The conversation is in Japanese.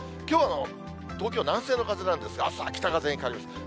きょう、東京は南西の風なんですが、あすは北風に変わります。